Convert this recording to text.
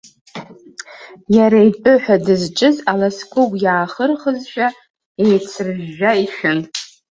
Иара итәы ҳәа дызҿыз аласкәыгә иаахырхызшәа, еицрыжәжәа ишәын.